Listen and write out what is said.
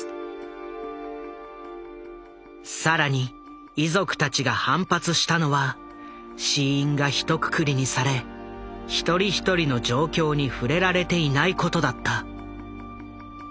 更に遺族たちが反発したのは死因が一くくりにされ一人一人の状況に触れられていないことだった。